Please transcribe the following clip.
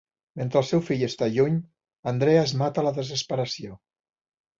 Mentre el seu fill està lluny, Andrea es mata a la desesperació.